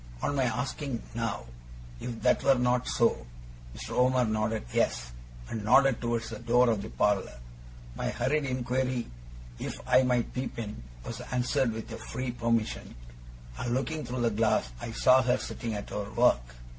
On my asking now, if that were not so, Mr. Omer nodded yes, and nodded towards the door of the parlour. My hurried inquiry if I might peep in, was answered with a free permission; and, looking through the glass, I saw her sitting at her work.